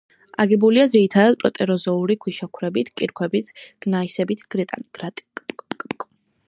აგებულია ძირითადად პროტეროზოური ქვიშაქვებით, კირქვებით, გნაისებით, გრანიტებით.